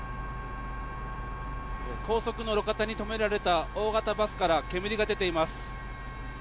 高速の路肩に止められた大型バスから煙が出ています。